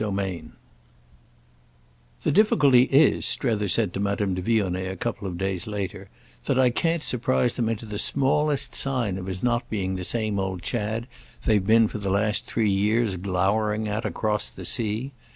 Book Ninth I "The difficulty is," Strether said to Madame de Vionnet a couple of days later, "that I can't surprise them into the smallest sign of his not being the same old Chad they've been for the last three years glowering at across the sea.